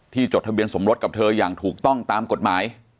จดทะเบียนสมรสกับเธออย่างถูกต้องตามกฎหมาย